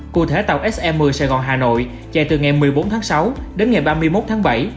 cụ thể tàu se một mươi sài gòn hà nội chạy từ ngày một mươi bốn tháng sáu đến ngày ba mươi một tháng bảy